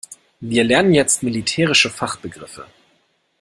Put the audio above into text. Wir lernen jetzt militärische Fachbegriffe.